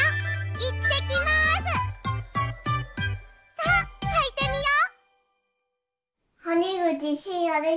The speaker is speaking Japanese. さあはいてみよう！